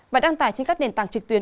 và đăng tải trên các nền tảng trực tuyến